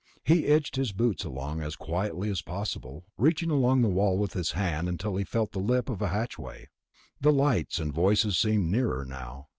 He edged his boots along as quietly as possible, reaching along the wall with his hand until he felt the lip of a hatchway. The lights and voices seemed nearer now.